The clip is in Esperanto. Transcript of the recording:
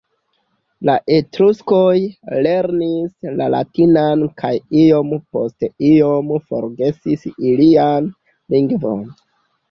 La etruskoj lernis la latinan kaj iom post iom forgesis ilian lingvon.